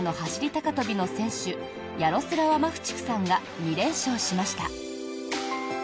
高跳びの選手ヤロスラワ・マフチクさんが２連勝しました。